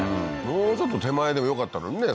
もうちょっと手前でもよかったのにね